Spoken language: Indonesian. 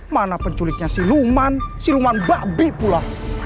mana penculiknya siluman siluman bakbe pula